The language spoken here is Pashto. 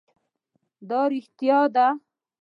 دا رښتيا ده؟